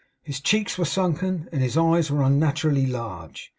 His cheeks were sunken, and his eyes unnaturally large.